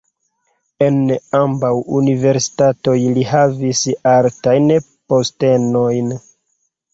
En ambaŭ universitatoj li havis altajn postenojn.